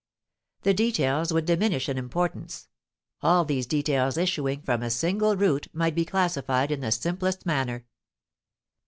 The details would diminish in importance; all these details issuing from a single root might be classified in the simplest manner.